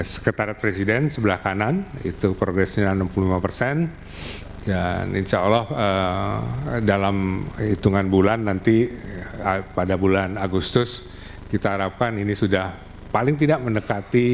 sekretariat presiden sebelah kanan itu profesinya enam puluh lima persen dan insya allah dalam hitungan bulan nanti pada bulan agustus kita harapkan ini sudah paling tidak mendekati